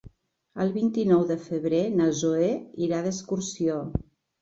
El vint-i-nou de febrer na Zoè irà d'excursió.